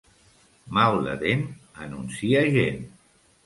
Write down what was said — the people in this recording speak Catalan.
Mal de dent anuncia gent.